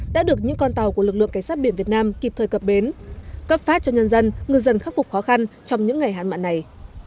đã được những con tàu của lực lượng cảnh sát biển việt nam kịp thời cập bến cấp phát cho nhân dân ngư dân khắc phục khó khăn trong những ngày hạn mặn này